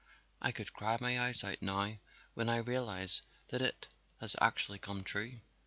I could cry my eyes out now when I realize that it has actually come true."